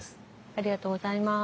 ありがとうございます。